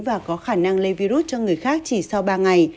và có khả năng lây virus cho người khác chỉ sau ba ngày